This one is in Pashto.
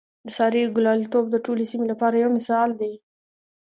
د سارې ګلالتوب د ټولې سیمې لپاره یو مثال دی.